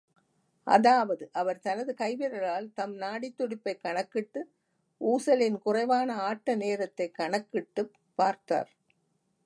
அதாவது, அவர் தனது கைவிரலால் தம் நாடித் துடிப்பைக் கணக்கிட்டு, ஊசலின் குறைான ஆட்ட நேரத்தைக் கணக்கிட்டுப் பார்த்தார்.